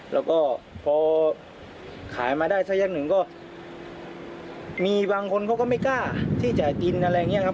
แล้วก็พอขายมาได้สักยักษ์หนึ่งก็มีบางคนเขาก็ไม่กล้าที่จะกินอะไรอย่างนี้ครับ